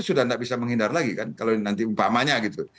sudah tidak bisa menghindar lagi kan kalau nanti umpamanya gitu